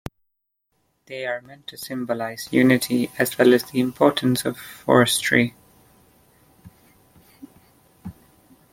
They are meant to symbolize unity as well as the importance of forestry.